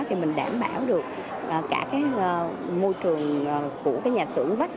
thì mình đảm bảo được cả cái môi trường của cái nhà xưởng vách